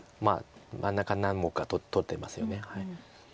真ん中何目か取ってますよね。